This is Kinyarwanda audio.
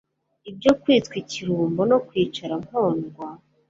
ibyo kwitwa ikirumbo no kwicara mpondwa